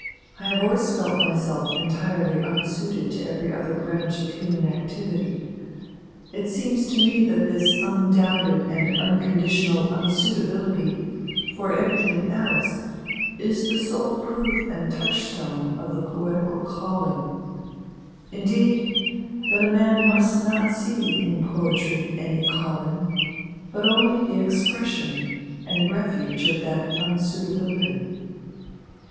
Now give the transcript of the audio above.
I have always felt myself entirely unsuited to every other branch of human activity. It seems to me that this undoubted and unconditional unsuitability for everything else is the sole proof and touchstone of the poetical calling indeed, that a man must not see in poetry any calling, but only the expression and refuge of that unsuitability."